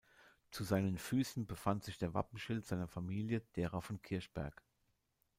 Zu seinen Füßen befand sich der Wappenschild seiner Familie, derer von Kirchberg.